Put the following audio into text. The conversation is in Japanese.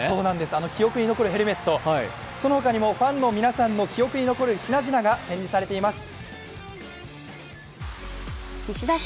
あの記憶に残るヘルメットその他にもファンの皆さんの記憶に残る品々が展示されています。